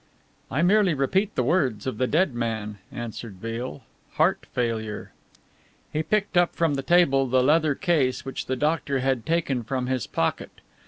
"I merely repeat the words of the dead man," answered Beale, "heart failure!" He picked up from the table the leather case which the doctor had taken from his pocket.